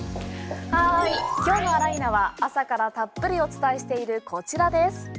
今日のあら、いーな！は朝からたっぷりお伝えしているこちらです。